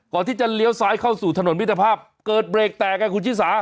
ก่อนที่จะเลี้ยวซ้ายเข้าสู่ถนนมิตรภาพเกิดเบรกแตกไงคุณชิสา